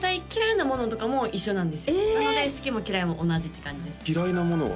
なので好きも嫌いも同じって感じ嫌いなものは？